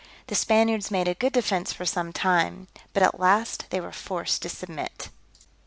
The Spaniards made a good defence for some time, but at last were forced to submit.